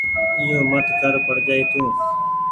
ائيو مت ڪر پڙجآئي تو۔